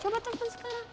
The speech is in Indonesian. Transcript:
coba telepon sekarang